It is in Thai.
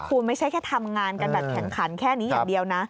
คุณไม่ใช่แค่ทำงานกันแบบแข่งขันแค่นี้อย่างเดียวนะ